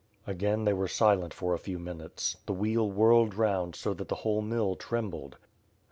Again, they were silent for a few minutes. The wheel whirled round so that the whole mill trembled.